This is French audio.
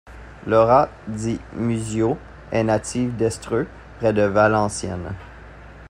Laura Di Muzio est native d'Estreux, près de Valenciennes.